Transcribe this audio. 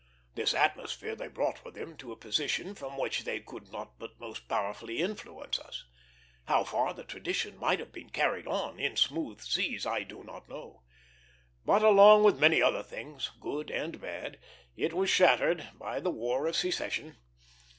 This atmosphere they brought with them to a position from which they could not but most powerfully influence us. How far the tradition might have been carried on, in smooth seas, I do not know; but along with many other things, good and bad, it was shattered by the War of Secession.